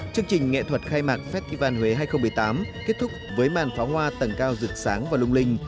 chương trình nghệ thuật khai mạc festival huế hai nghìn một mươi tám kết thúc với màn pháo hoa tầng cao rực sáng và lung linh